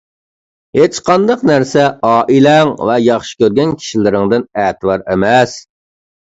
ھېچقانداق نەرسە ئائىلەڭ ۋە ياخشى كۆرگەن كىشىلىرىڭدىن ئەتىۋار ئەمەس.